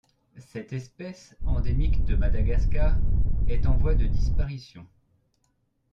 Cette espèce, endémique de Madagascar, est en voie de disparition.